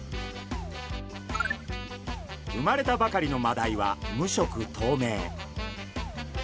生まれたばかりのマダイは無色とうめい。